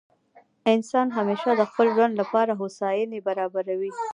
انسان همېشه د خپل ژوند له پاره هوسایني برابروي.